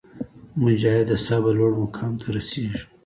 مجاهد د صبر لوړ مقام ته رسېږي.